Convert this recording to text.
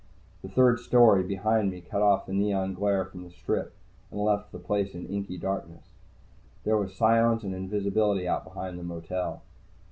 The third story, behind me, cut off the neon glare from the Strip and left the place in inky darkness. There was silence and invisibility out behind the motel.